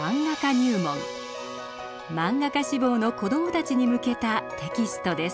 マンガ家志望の子どもたちに向けたテキストです。